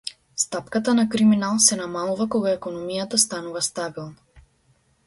Стапката на криминал се намалува кога економијата станува стабилна.